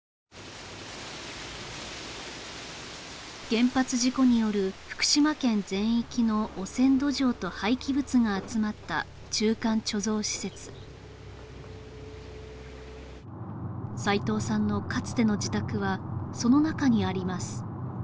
原発事故による福島県全域の汚染土壌と廃棄物が集まった中間貯蔵施設齊藤さんのかつての自宅はその中にあります